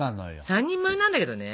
３人前なんだけどね。